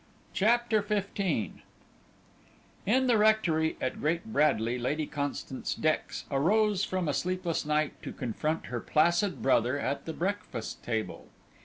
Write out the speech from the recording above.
CHAPTER XV In the rectory at Great Bradley, Lady Constance Dex arose from a sleepless night to confront her placid brother at the breakfast table.